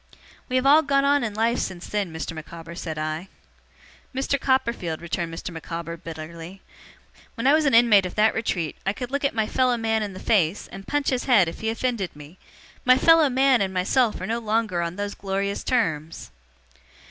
'We have all got on in life since then, Mr. Micawber,' said I. 'Mr. Copperfield,' returned Mr. Micawber, bitterly, 'when I was an inmate of that retreat I could look my fellow man in the face, and punch his head if he offended me. My fellow man and myself are no longer on those glorious terms!